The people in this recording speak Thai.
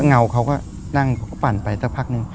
เงาเขาก็นั่งปั่นไปสักพักหนึ่ง